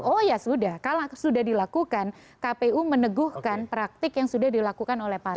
oh ya sudah kalau sudah dilakukan kpu meneguhkan praktik yang sudah dilakukan oleh partai